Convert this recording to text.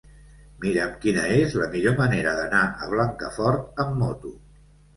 Mira'm quina és la millor manera d'anar a Blancafort amb moto.